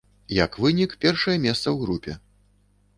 Як вынік, першае месца ў групе.